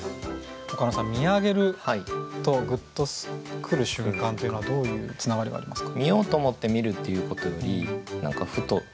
岡野さん「見上げる」と「グッとくる瞬間」というのはどういうつながりがありますか？